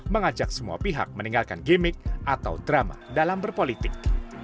mengajak semua pihak meninggalkan gimmick atau drama dalam berpolitik